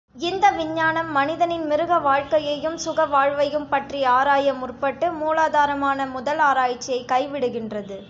இந்த விஞ்ஞானம் மனிதனின் மிருக வாழ்கையையும், சுக வாழ்வையும் பற்றி ஆராய முற்பட்டு, மூலாதாரமான முதல் ஆராய்ச்சியைக் கைவிடுகின்றது.